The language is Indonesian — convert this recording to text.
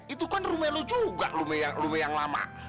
itu kan rumah lo juga rumah yang lama